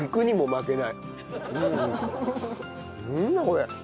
これ。